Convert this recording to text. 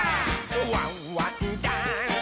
「ワンワンダンス！」